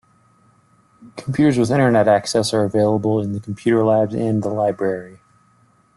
Computers with internet access are available in the computer labs and the library.